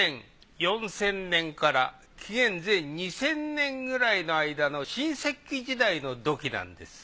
４０００年から紀元前２０００年くらいの間の新石器時代の土器なんです。